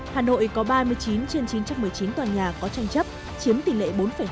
hà nội có ba mươi chín trên chín trăm một mươi chín tòa nhà có tranh chấp chiếm tỷ lệ bốn hai